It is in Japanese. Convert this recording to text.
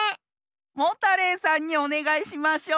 モタレイさんにおねがいしましょう。